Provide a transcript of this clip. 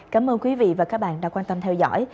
cảm ơn quý vị và các bạn đã quan tâm theo dõi